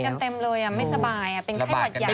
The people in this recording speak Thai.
เต็มเลยไม่สบายเป็นไข้หวัดใหญ่